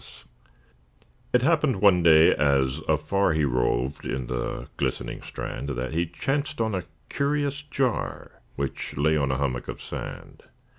It happened one day, as afar He roved on the glistening strand, That he chanced on a curious jar, Which lay on a hummock of sand.